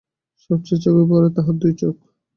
সব চেয়ে চোখে পড়ে তাহার দুই চোখ।